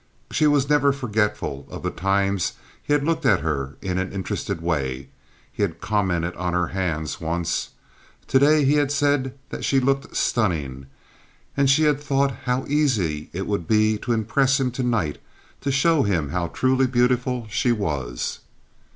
She was never forgetful of the times he had looked at her in an interested way. He had commented on her hands once. To day he had said that she looked "stunning," and she had thought how easy it would be to impress him to night—to show him how truly beautiful she was.